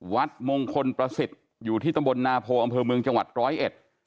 วัดมงคลประสิทธิ์อยู่ที่ตำบลนาโพอำเภอเมืองจังหวัดร้อยเอ็ด